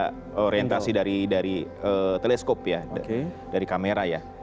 ada orientasi dari teleskop ya dari kamera ya